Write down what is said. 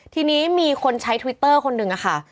ทีนี้มีคนใช้ทวิตเตอร์คนหนึ่งค่ะ